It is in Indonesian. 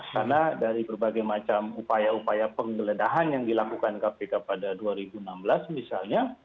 karena dari berbagai macam upaya upaya penggeledahan yang dilakukan kpk pada dua ribu enam belas misalnya